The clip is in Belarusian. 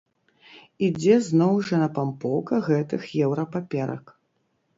Ідзе зноў жа напампоўка гэтых еўра-паперак.